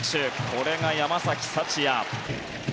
これが山崎福也。